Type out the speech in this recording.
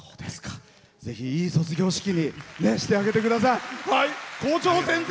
ぜひ、いい卒業式にしてあげてください。